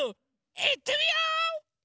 いってみよう！